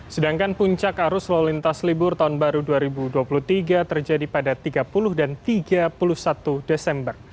sedangkan puncak arus lalu lintas libur tahun baru dua ribu dua puluh tiga terjadi pada tiga puluh dan tiga puluh satu desember